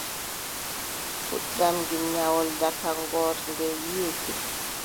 Fuɗɗam ginnawol, daga joorde yiʼété.